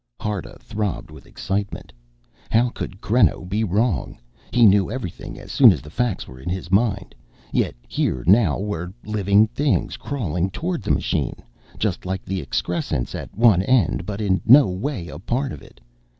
Harta throbbed with excitement. How could Creno be wrong? He knew everything as soon as the facts were in his mind. Yet here now were living things crawling toward the machine, just like the excrescence at one end but in no way a part of it!